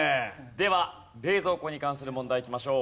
では冷蔵庫に関する問題いきましょう。